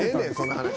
その話。